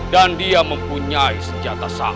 dan dia mempunyai senjata sang